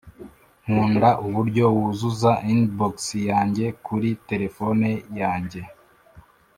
nkunda uburyo wuzuza inbox yanjye kuri terefone yanjye